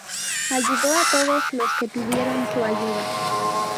Ayudó a todos los que pidieron su ayuda.